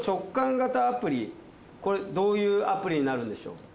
これどういうアプリになるんでしょう。